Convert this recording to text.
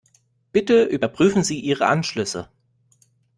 Bitte überprüfen Sie Ihre Anschlüsse.